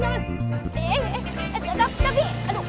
eh eh eh tapi tapi aduh